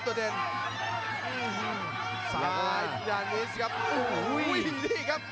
ประโยชน์ทอตอร์จานแสนชัยกับยานิลลาลีนี่ครับ